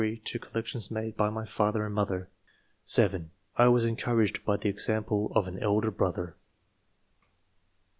209 to collections made by my father and mother. (7) I was encouraged by the example of an elder brother.